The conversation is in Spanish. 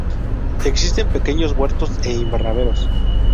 Existen pequeños huertos e invernaderos.